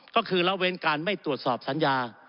ก็คือละเว้นการไม่ตรวจสอบสัญญา